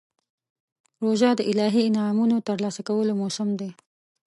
روژه د الهي انعامونو ترلاسه کولو موسم دی.